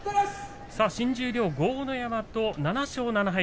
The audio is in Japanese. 新十両豪ノ山と７勝７敗